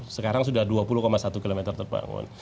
sekarang sudah dua puluh satu km terbangun